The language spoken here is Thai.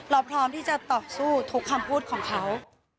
พร้อมที่จะต่อสู้ทุกคำพูดของเขา